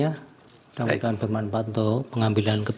ovory perintah emosional tidak